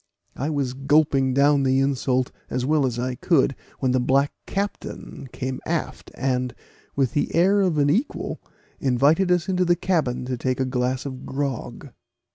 I was gulping down the insult as well as I could, when the black captain came aft, and, with the air of an equal, invited us into the cabin to take a glass of grog.